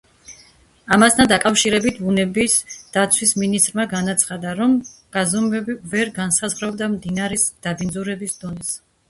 ამასთან დაკავშირებით, ბუნების დაცვის მინისტრმა განაცხადა, რომ გაზომვები ვერ განსაზღვრავდა მდინარის დაბინძურების დონეს.